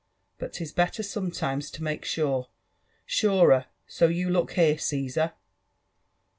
But 'tig better sometimes to make sure, surer; so look you here, Caesar."